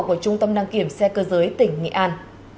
của trung tâm năng kiểm xe cơ giới tỉnh nghị an